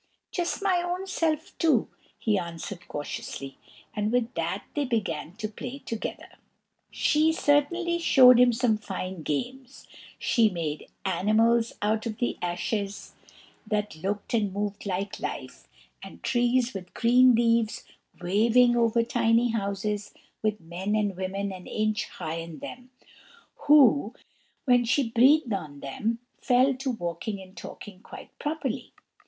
"Just my own self too!" he answered cautiously; and with that they began to play together. She certainly showed him some fine games. She made animals out of the ashes that looked and moved like life; and trees with green leaves waving over tiny houses, with men and women an inch high in them, who, when she breathed on them, fell to walking and talking quite properly.